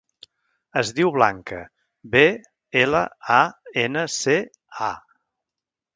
Es diu Blanca: be, ela, a, ena, ce, a.